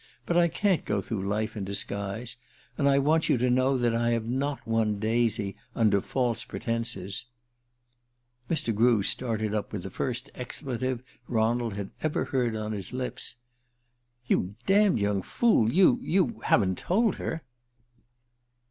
But I can't go through life in disguise. And I want you to know that I have not won Daisy under false pretences " Mr. Grew started up with the first expletive Ronald had ever heard on his lips. "You damned young fool, you, you haven't told her